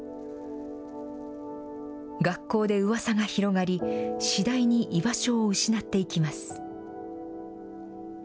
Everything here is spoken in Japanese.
学校でうわさが広がり、次第に居場所を失っていきます。